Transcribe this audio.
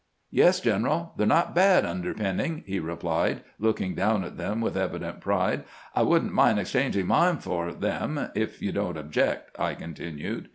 * Yes, general; they 're not bad underpinning,' he replied, looking down at them with evident pride. * I would n't mind exchanging mine for them, if you don't object,' I continued.